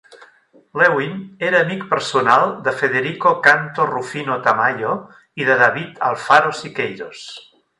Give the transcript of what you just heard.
Lewin era amic personal de Federico Cantu Rufino Tamayo i de David Alfaro Siqueiros.